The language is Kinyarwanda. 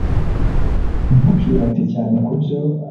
ntukirate cyane kubyo